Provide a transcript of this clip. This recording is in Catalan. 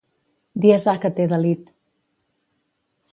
Dies ha que t’he delit!